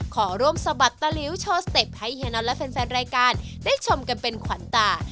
ขอร่วมสะบัดตะลิ้วโชว์สเต็ปให้เฮียน็อตและแฟนรายการได้ชมกันเป็นขวัญตา